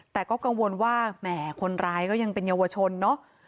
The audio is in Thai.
แต่ก็กังวลว่าแหมคนร้ายก็ยังเป็นเยาวชนเนอะ